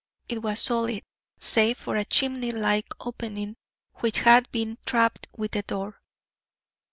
It was solid, save for a chimney like opening which had been trapped with the door.